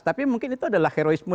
tapi mungkin itu adalah heroisme